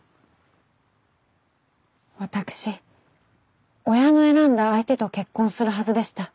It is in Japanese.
私親の選んだ相手と結婚するはずでした。